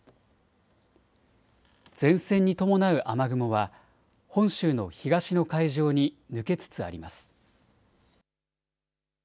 前線に伴う雨雲は本州の東の海上に抜けつつあります。